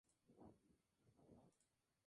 Fue estrenado por la cadena musical Mtv.